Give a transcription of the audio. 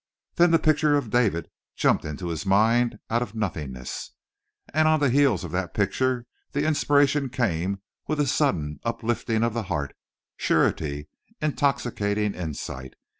Then the picture of David jumped into his mind out of nothingness. And on the heels of that picture the inspiration came with a sudden uplifting of the heart, surety, intoxicating insight.